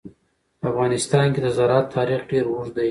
په افغانستان کې د زراعت تاریخ ډېر اوږد دی.